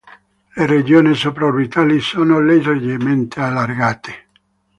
Le regioni sopra-orbitali sono leggermente allargate.